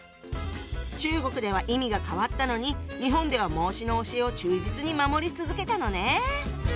中国では意味が変わったのに日本では孟子の教えを忠実に守り続けたのね。